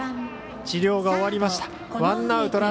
治療が終わりました。